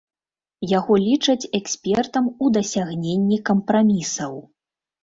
Яго лічаць экспертам у дасягненні кампрамісаў.